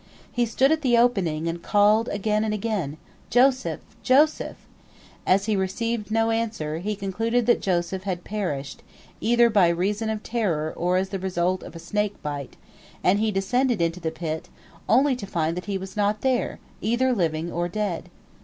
He stood at the opening and called again and again, "Joseph, Joseph!" As he received no answer, he concluded that Joseph had perished, either by reason of terror or as the result of a snake bite, and he descended into the pit, only to find that he was not there, either living or dead.